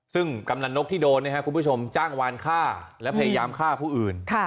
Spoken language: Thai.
ซึ่งกำนันนกที่โดนนะครับคุณผู้ชมจ้างวานฆ่าและพยายามฆ่าผู้อื่น